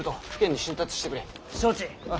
承知！